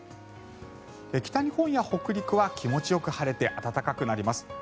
北日本や北陸は気持ちよく晴れて暖かくなります。